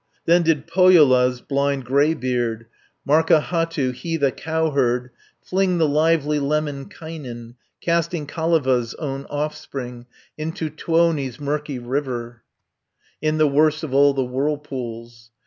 Then did Pohjola's blind greybeard, Markahattu, he the cowherd, Fling the lively Lemminkainen, Casting Kaleva's own offspring Into Tuoni's murky river, In the worst of all the whirlpools.